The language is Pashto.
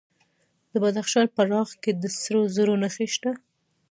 د بدخشان په راغ کې د سرو زرو نښې شته.